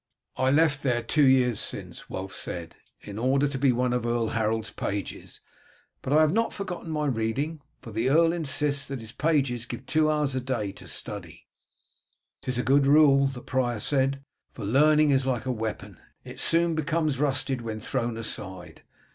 "I left there two years since," Wulf said, "in order to be one of Earl Harold's pages; but I have not forgotten my reading, for the earl insists that his pages give two hours a day to study." "Tis a good rule," the prior said, "for learning is like a weapon, it soon becomes rusted when thrown aside.